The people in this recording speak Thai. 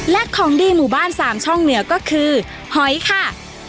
และของดีหมู่บ้านสามช่องเหนือก็คือหอยค่ะ